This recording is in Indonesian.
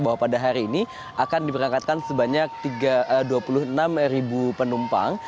bahwa pada hari ini akan diberangkatkan sebanyak dua puluh enam penumpang